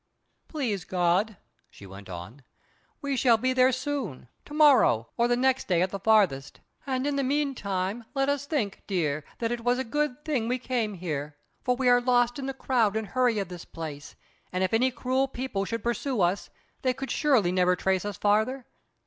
"Please God," she went on, "we shall be there soon—to morrow, or the next day at the farthest; and in the meantime let us think, dear, that it was a good thing we came here; for we are lost in the crowd and hurry of this place, and if any cruel people should pursue us, they could surely never trace us farther.